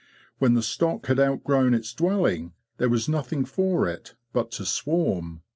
When the stock had outgrown its dwelling there was nothing for it but to swarm.